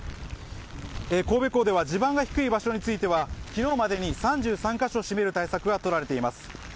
神戸港では地盤が低い場所については昨日までに３３か所閉める対策がとられています。